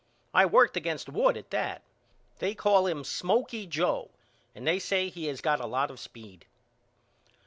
I worked against Wood at that. They call him Smoky Joe and they say he has got lot of speed.